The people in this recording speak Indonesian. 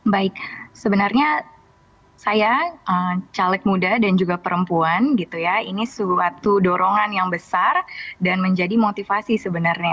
baik sebenarnya saya caleg muda dan juga perempuan gitu ya ini suatu dorongan yang besar dan menjadi motivasi sebenarnya